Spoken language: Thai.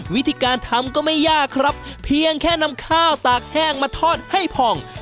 วิธีการทำก็ไม่ยากครับเพียงแค่นำข้าวตากแห้งมาทอดให้ผ่อง